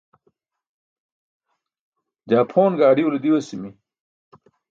jaa phon gaaḍiulo diwasimi